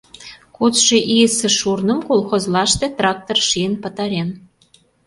Кодшо ийысе шурным колхозлаште трактор шийын пытарен.